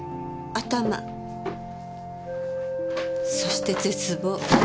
そして絶望。